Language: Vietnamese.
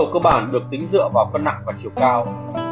nhu cầu cơ bản được tính dựa vào cân nặng và chiều cao